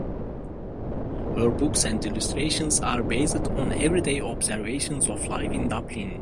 Her books and illustrations are based on everyday observations of life in Dublin.